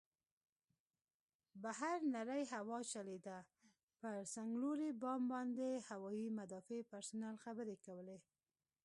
بهر نرۍ هوا چلېده، پر څنګلوري بام باندې هوايي مدافع پرسونل خبرې کولې.